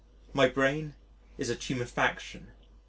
My brain is a tumefaction.